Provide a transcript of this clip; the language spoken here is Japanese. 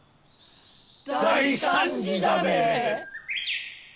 大惨事だべ！